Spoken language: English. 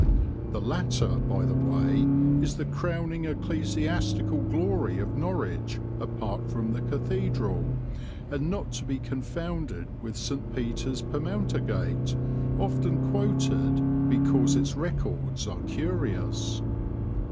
(The latter, by the way, is the crowning ecclesiastical glory of Norwich apart from the cathedral, and not to be confounded with St. Peter's Permountergate, often quoted because its records are curious.)